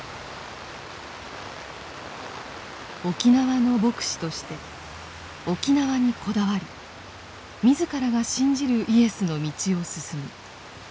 沖縄の牧師として沖縄にこだわり自らが信じるイエスの道を進む。